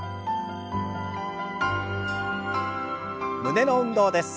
胸の運動です。